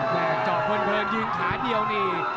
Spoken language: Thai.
เจาะเพลินยืนขาเดียวนี่